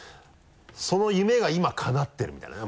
その夢が今かなってるみたいなね